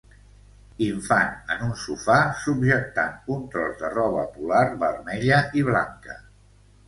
Infant en un sofà subjectant un tros de roba polar vermella i blanca.